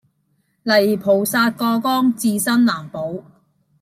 泥菩薩過江自身難保